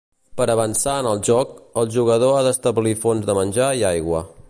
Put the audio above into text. Per avançar en el joc, el jugador ha d'establir fonts de menjar i aigua.